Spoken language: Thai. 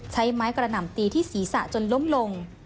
ใช้ไม้กระหน่ำตีที่ศีรษะจนล้มลง